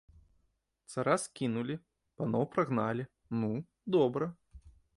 Цара скінулі, паноў прагналі, ну, добра.